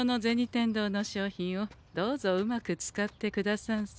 天堂の商品をどうぞうまく使ってくださんせ。